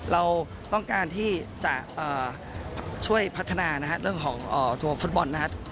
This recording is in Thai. เราต้องการที่จะช่วยพัฒนานะฮะเรื่องของตัวฟุตบอลนะครับ